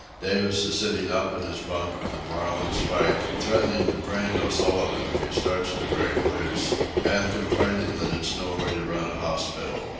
Davis is sitting up in his bunk with a marlin spike, threatening to brain O'Sullivan if he starts to break loose, and complaining that it's no way to run a hospital.